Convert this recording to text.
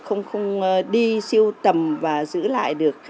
không đi siêu tầm và giữ lại được